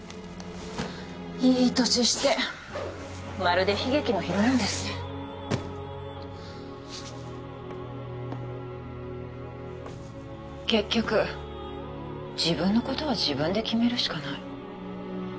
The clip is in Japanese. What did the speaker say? いい年してまるで悲劇のヒロインですね結局自分のことは自分で決めるしかない